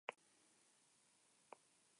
Posteriormente asistió a la Universidad de Bonn.